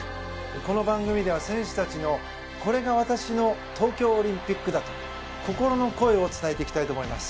この番組では、選手たちの「これが私の東京オリンピックだ」と心の声を伝えていきたいと思います。